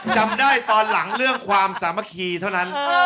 จำได้ตอนหลังเรื่องความสามัคคีเท่านั้น